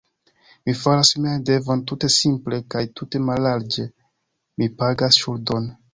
Mi faras mian devon tute simple kaj tute mallarĝe; mi pagas ŝuldon.